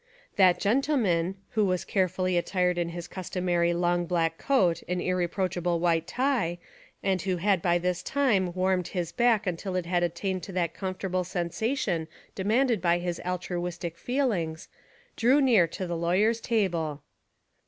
That gentleman, who was carefully attired in his customary long black coat and irreproach able white tie and who had by this time warmed his back until it had attained to that comfort able sensation demanded by his altruistic feel ings, drew near to the lawyers' table.